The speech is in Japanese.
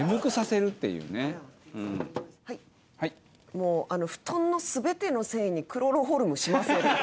もう「布団の全ての繊維にクロロホルム染ませる」。